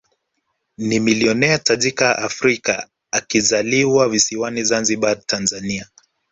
Ni milionea tajika Afrika akizaliwa visiwani Zanzibar Tanzania